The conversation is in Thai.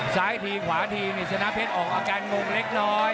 ซ้ายทีขวาทีนี่ชนะเพชรออกอาการงงเล็กน้อย